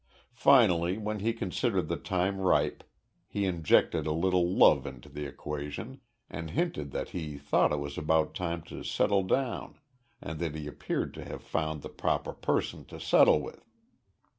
Finally, when he considered the time ripe, he injected a little love into the equation and hinted that he thought it was about time to settle down and that he appeared to have found the proper person to settle with.